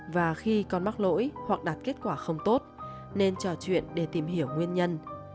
và khi con mắc lỗi hoặc đạt kết quả không tốt nên trò chuyện để tìm hiểu nguyên nhân